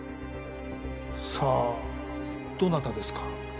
さあどなたですか？